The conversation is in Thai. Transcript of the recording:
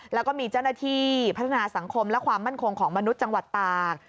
แล้วก็มีเจ้าหน้าที่พัฒนาสังคมและความมั่นคงของมนุษย์จังหวัดตาก